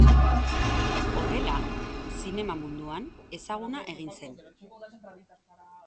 Horrela, zinema munduan ezaguna egin zen.